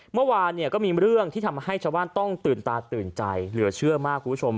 เมื่อวานเนี่ยก็มีเรื่องที่ทำให้ชาวบ้านต้องตื่นตาตื่นใจเหลือเชื่อมากคุณผู้ชม